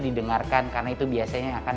didengarkan karena itu biasanya akan